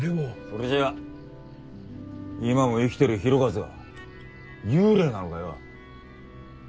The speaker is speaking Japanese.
それじゃあ今も生きてる浩一は幽霊なのかよ！